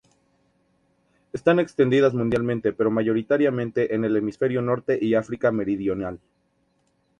Están extendidas mundialmente pero mayoritariamente en el hemisferio norte y África meridional.